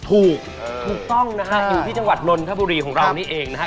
ถูกต้องถูกต้องนะฮะอยู่ที่จังหวัดนนทบุรีของเรานี่เองนะฮะ